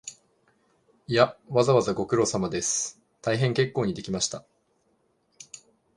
いや、わざわざご苦労です、大変結構にできました